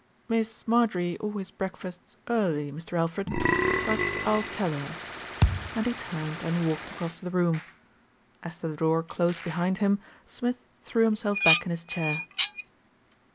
"Miss Marjorie always breakfasts early, Mr. Alfred; but I'll tell her," and he turned and walked across the room. As the door closed behind him, Smith threw himself back in his chair.